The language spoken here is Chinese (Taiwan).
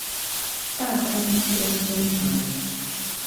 大坑清新橋